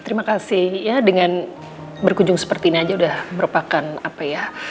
terima kasih ya dengan berkunjung seperti ini aja udah merupakan apa ya